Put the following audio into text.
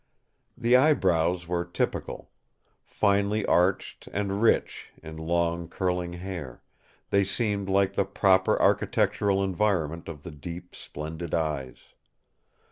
The eyebrows were typical. Finely arched and rich in long curling hair, they seemed like the proper architectural environment of the deep, splendid eyes.